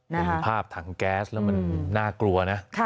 เห็นภาพถังแก๊สแล้วมันน่ากลัวนะ